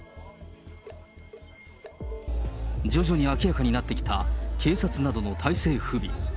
徐々に明らかになってきた、警察などの態勢不備。